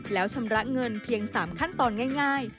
แล้วชำระเงินเพียง๓ขั้นตอนง่าย